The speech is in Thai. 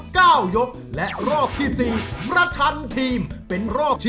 เก้าซักร้อน